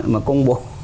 mà công bố